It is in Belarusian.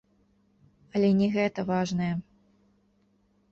Але не гэта важнае.